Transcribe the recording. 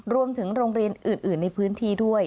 โรงเรียนอื่นในพื้นที่ด้วย